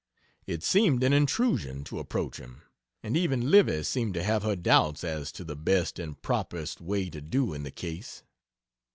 It seemed an intrusion to approach him, and even Livy seemed to have her doubts as to the best and properest way to do in the case.